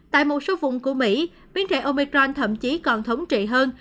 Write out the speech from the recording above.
tại một số vùng của mỹ biến thể omicron thậm chí còn thống trị hơn